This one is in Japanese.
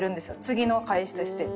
次の返しとして。